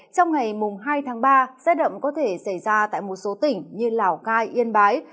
trong ngày hai tháng ba rét đậm có thể xảy ra tại một số tỉnh như lào cai yên bái